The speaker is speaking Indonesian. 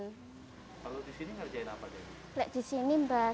kalau di sini ngerjain apa